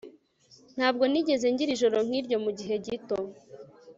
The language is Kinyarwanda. Ntabwo nigeze ngira ijoro nkiryo mugihe gito